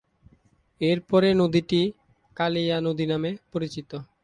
এর পরে নদীটি কালিয়া নদী নামে পরিচিত।